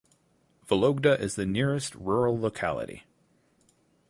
Vologda is the nearest rural locality.